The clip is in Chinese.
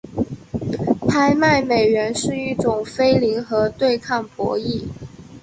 拍卖美元是一种非零和对抗博弈。